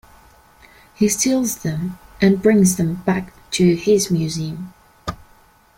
He steals them and brings them back to his museum.